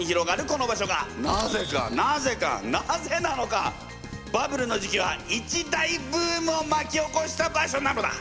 この場所がなぜかなぜかなぜなのかバブルの時期は一大ブームをまき起こした場所なのだ！